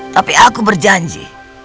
tapi aku berjanji